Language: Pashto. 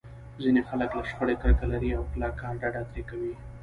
ځينې خلک له شخړې کرکه لري او کلکه ډډه ترې کوي.